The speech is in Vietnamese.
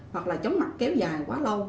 hoặc là chóng mặt kéo dài quá lâu